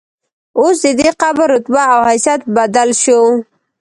اوس ددې قبر رتبه او حیثیت بدل شو.